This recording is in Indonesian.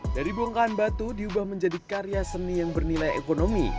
dari bongkahan batu diubah menjadi karya seni yang bernilai ekonomi